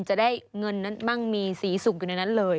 จะได้เงินนั้นมั่งมีสีสุกอยู่ในนั้นเลย